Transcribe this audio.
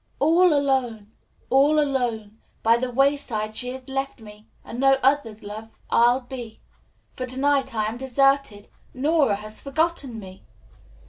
"All alone, all alone! By the wayside she has left me, And no other's love I'll be; For to night I am deserted; Nora has forgotten me!"